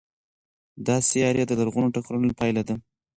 دا سیارې د لرغونو ټکرونو پایله ده.